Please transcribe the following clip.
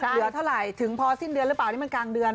เหลือเท่าไหร่ถึงพอสิ้นเดือนหรือเปล่านี่มันกลางเดือน